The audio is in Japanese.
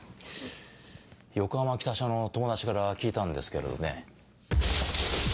横浜北署の友達から聞いたんですけれどね。